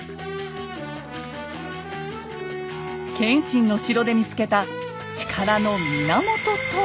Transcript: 謙信の城で見つけた力の源とは？